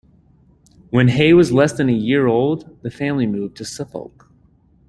When Hay was less than a year old the family moved to Suffolk.